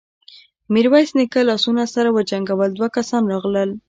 ميرويس نيکه لاسونه سره وجنګول، دوه کسان راغلل.